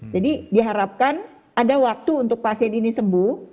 jadi diharapkan ada waktu untuk pasien ini sembuh